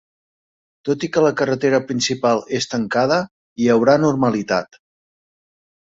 Tot i que la carretera principal és tancada, hi haurà normalitat.